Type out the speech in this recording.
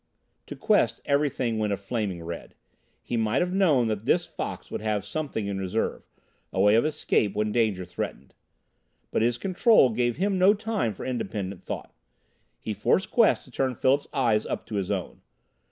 To Quest everything went a flaming red. He might have known that this fox would have something in reserve a way of escape when danger threatened! But his Control gave him no time for independent thought. He forced Quest to turn Philip's eyes up to his own.